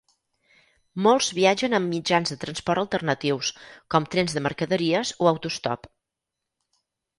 Molts viatgen amb mitjans de transport alternatius, com trens de mercaderies o autostop.